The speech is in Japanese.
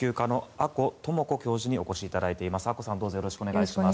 阿古さんどうぞよろしくお願いします。